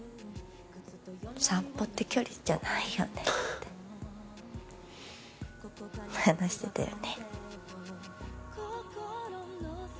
散歩って距離じゃないよねって話してたよね